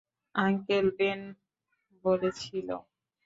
Uncle Ben বলেছিল।